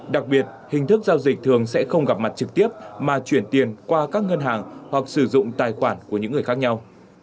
đặc biệt hình thức giao dịch thường sẽ không gặp mặt trực tiếp mà chuyển tiền qua các ngân hàng hoặc sử dụng tài khoản của những người khác nhau